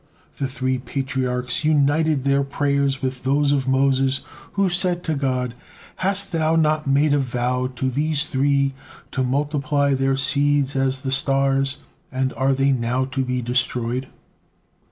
The three Patriarchs united their prayers with those of Moses, who said to God; "Hast Thou not made a vow to these three to multiply their seed as the stars, and are they now to be destroyed?"